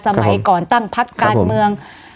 สมัยก่อนตั้งพักการเมือง